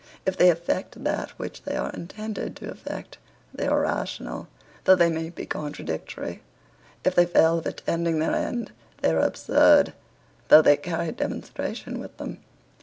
If they effect that which they are intended to effect, they are rational, though they may be contradictory. It they fail of attaining their end, they are absurd, though they carry demonstration with them.